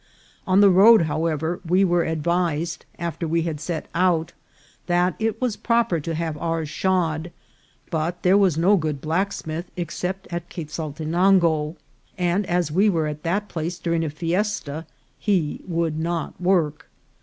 On the road, however, we were advised, after we had set out, that it was proper to have ours shod ; but there was no good blacksmith except at Quezaltenango, and as we were at that place during a fiesta he would not work.